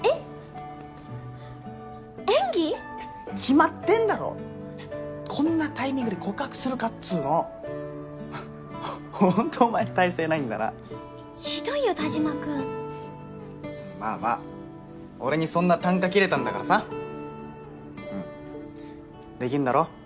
決まってんだろこんなタイミングで告白するかっつうのホントお前耐性ないんだなひどいよ田嶋君まあまあ俺にそんな啖呵切れたんだからさうんできんだろ？